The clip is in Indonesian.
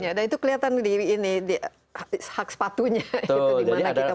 ya dan itu kelihatan di ini hak sepatunya dimana kita